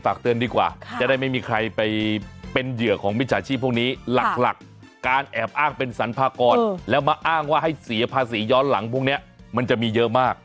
เตือนดีกว่าจะได้ไม่มีใครไปเป็นเหยื่อของมิจฉาชีพพวกนี้หลักการแอบอ้างเป็นสรรพากรแล้วมาอ้างว่าให้เสียภาษีย้อนหลังพวกนี้มันจะมีเยอะมาก